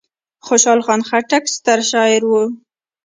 خوشحال خان خټک ستر شاعر و.